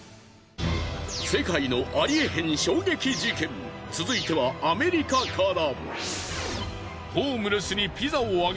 世界のありえへん衝撃事件続いてはアメリカから。